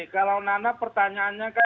kalau nana pertanyaannya